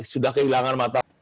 sudah kehilangan mata